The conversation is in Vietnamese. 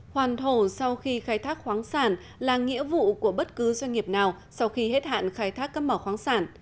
hoàn thổ sau khi khai thác khoáng sản là nghĩa vụ của bất cứ doanh nghiệp nào sau khi hết hạn khai thác cấp mỏ khoáng sản